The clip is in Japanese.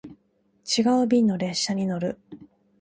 違う便の列車に乗る